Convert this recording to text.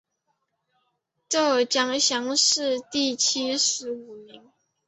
浙江乡试第七十五名。